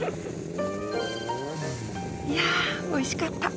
いやおいしかった。